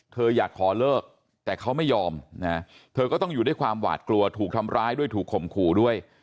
เธออยากขอเลิกแต่เขาไม่ยอมนะเธอก็ต้องอยู่ด้วยความหวาดกลัวถูกทำร้ายด้วยถูกข่มขู่ด้วย